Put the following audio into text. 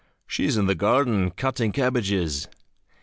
"She is in the garden cutting cabbages."